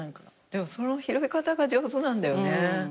でもその拾い方が上手なんだよね。